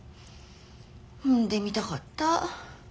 産んでみたかった。